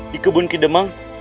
di kebun kidemang